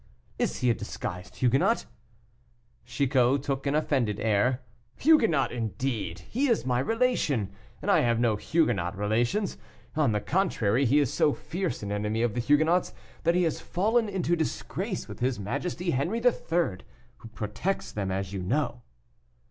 is he a disguised Huguenot?" Chicot took an offended air. "Huguenot, indeed! he is my relation, and I have no Huguenot relations. On the contrary, he is so fierce an enemy of the Huguenots, that he has fallen into disgrace with his majesty Henri III., who protects them, as you know."